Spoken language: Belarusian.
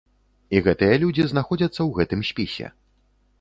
І гэтыя людзі знаходзяцца ў гэтым спісе.